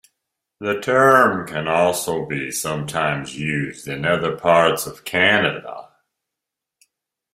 The term can also be sometimes used in other parts of Canada.